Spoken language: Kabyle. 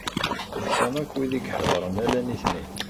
Ḍsan akk wid i iḥedṛen ala nitni.